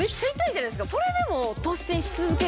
それでも。